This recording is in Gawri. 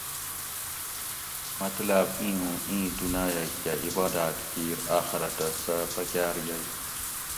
مطلاۤب اِیں اُوں اِیں دُناۤیہ کہۤ عباداۤت کِیر آۤخرتہ سہۤ پکاۤر یئ